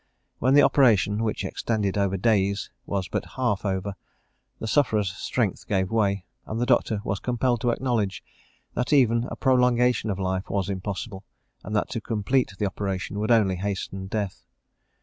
When the operation, which extended over days, was but half over, the sufferer's strength gave way, and the doctor was compelled to acknowledge that even a prolongation of life was impossible, and that to complete the operation could only hasten death.